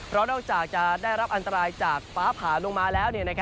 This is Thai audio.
เพราะนอกจากจะได้รับอันตรายจากฟ้าผ่าลงมาแล้ว